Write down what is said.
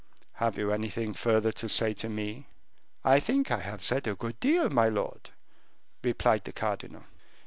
"Have you anything further to say to me?" "I think I have said a good deal, my lord," replied the cardinal.